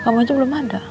kamu aja belum ada